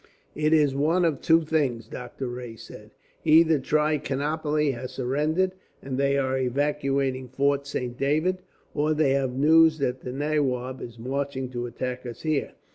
"It is one of two things," Doctor Rae said: "Either Trichinopoli has surrendered and they are evacuating Fort Saint David, or they have news that the nawab is marching to attack us here.